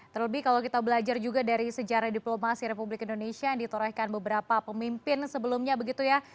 terlebih kalau kita belajar juga dari sejarah diplomasi republik indonesia yang ditorehkan beberapa pemimpin sebelumnya begitu ya